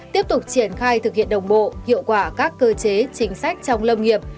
tiếp tục triển khai thực hiện đồng bộ hiệu quả các cơ chế chính sách trong lâm nghiệp